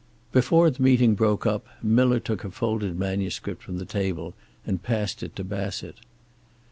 Before the meeting broke up Miller took a folded manuscript from the table and passed it to Bassett.